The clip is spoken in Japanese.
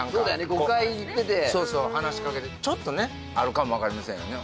５回行っててそうそう話しかけてちょっとねあるかも分かりませんよね